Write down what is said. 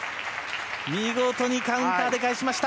見事にカウンターで返しました。